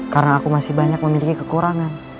karena aku masih banyak memiliki kekurangan